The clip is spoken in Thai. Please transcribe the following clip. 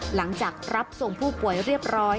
หลังจากรับส่งผู้ป่วยเรียบร้อย